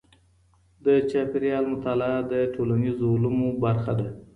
د چاپېریال مطالعه د ټولنیزو علومو برخه ده.